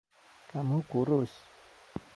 Kamu kurus.